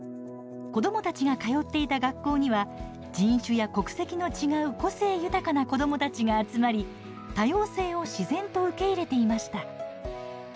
子どもたちが通っていた学校には人種や国籍の違う個性豊かな子どもたちが集まり多様性を自然と受け入れていました。